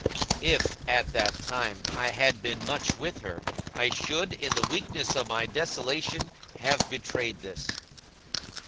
If, at that time, I had been much with her, I should, in the weakness of my desolation, have betrayed this.